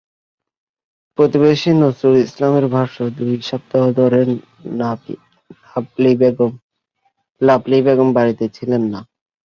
প্রতিবেশী নজরুল ইসলামের ভাষ্য, দুই সপ্তাহ ধরে লাভলী বেগম বাড়িতে ছিলেন না।